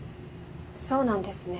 そうなんですね。